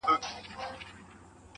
که هر څو دي په لاره کي گړنگ در اچوم,